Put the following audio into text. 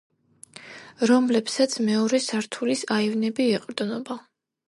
რომლებსაც მეორე სართულის აივნები ეყრდნობა.